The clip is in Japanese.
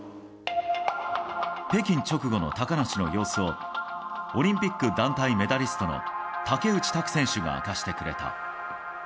北京直後の高梨の様子をオリンピック団体メダリストの竹内択選手が明かしてくれた。